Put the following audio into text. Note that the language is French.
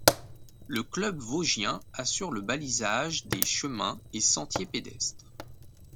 Le Club vosgien assure le balisage des chemins et sentiers pédestres.